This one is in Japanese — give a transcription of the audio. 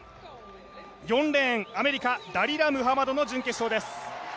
４レーン、アメリカ、ダリラ・ムハマドの準決勝です。